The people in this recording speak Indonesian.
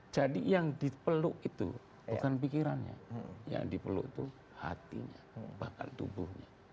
jadi yang dipeluk itu bukan pikirannya yang dipeluk itu hatinya bahkan tubuhnya